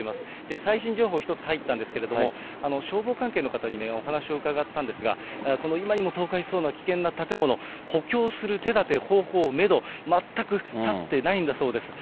最新情報、１つ入ったんですけれども、消防関係の方にお話を伺ったんですが、この今にも倒壊しそうな危険な建物、補強する手だて、方法、メド、全く立ってないんだそうです。